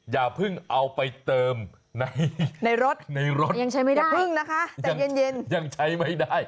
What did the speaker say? อย่าเพิ่งเอาไปเติมในรถอย่าเพิ่งนะคะแต่เย็นยังใช้ไม่ได้